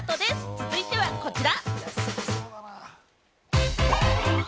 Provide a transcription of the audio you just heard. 続いてはこちら。